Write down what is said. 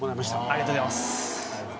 ありがとうございます。